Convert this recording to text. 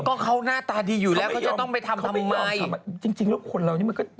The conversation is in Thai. ก็เขาน่าตาดีอยู่แล้วจะต้องไปทำทำไม